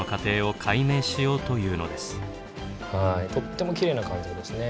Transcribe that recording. とってもきれいな肝臓ですね。